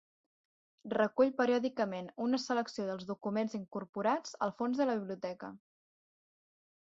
Recull periòdicament una selecció dels documents incorporats al fons de la Biblioteca.